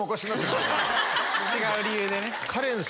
違う理由でね。